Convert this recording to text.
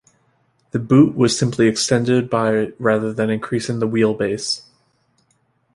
The boot was simply extended by rather than increasing the wheelbase.